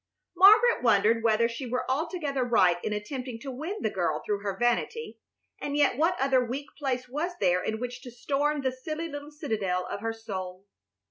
Margaret wondered whether she were altogether right in attempting to win the girl through her vanity, and yet what other weak place was there in which to storm the silly little citadel of her soul?